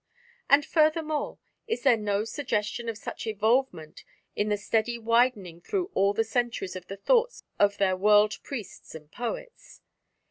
And furthermore, is there no suggestion of such evolvement in the steady widening through all the centuries of the thoughts of their world priests and poets?